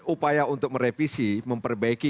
upaya untuk merevisi memperbaiki